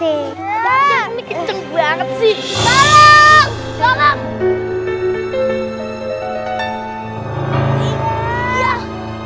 ini kenceng banget sih